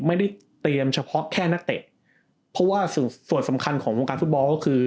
ไม่ได้เตรียมเฉพาะแค่นักเตะเพราะว่าส่วนสำคัญของวงการฟุตบอลก็คือ